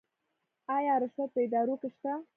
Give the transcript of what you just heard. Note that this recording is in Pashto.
آیا رشوت په ادارو کې شته؟